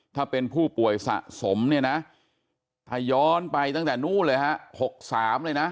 ถ้าเป็นผู้ป่วยสะสมเนี่ยนะถ้าย้อนไปตั้งแต่นู้นเลยฮะ๖๓เลยนะ